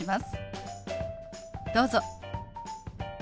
どうぞ。